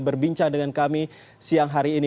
berbincang dengan kami siang hari ini